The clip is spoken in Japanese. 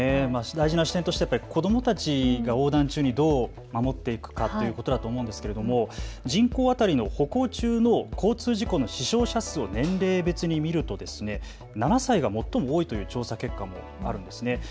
大事な視点として、子どもたちを横断中にどう守っていくかということだと思うのですが人口当たりの歩行中の交通事故の死傷者数を年齢別に見ると７歳が最も多い調査結果もあるんです。